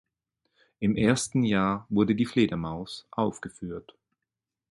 Im ersten Jahr wurde Die Fledermaus aufgeführt.